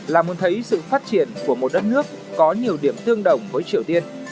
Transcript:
là muốn thấy sự phát triển của một đất nước có nhiều điểm tương đồng với triều tiên